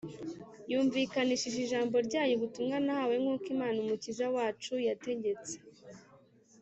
yumvikanishije ijambo ryayo ubutumwa nahawe nk’uko Imana Umukiza wacu yategetse.